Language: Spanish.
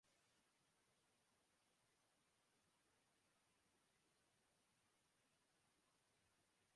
La estructura de los grupos abelianos finitamente generados es particularmente fácil de describir.